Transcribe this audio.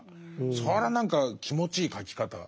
それは何か気持ちいい書き方。